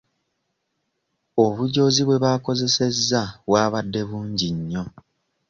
Obujoozi bwe baakozesezza bwabadde bungi nnyo.